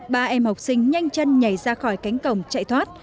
ba em học sinh nhanh chân nhảy ra khỏi cánh cổng chạy thoát